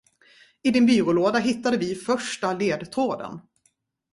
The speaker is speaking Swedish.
I din byrålåda hittade vi första ledtråden.